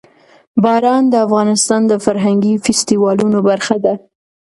باران د افغانستان د فرهنګي فستیوالونو برخه ده.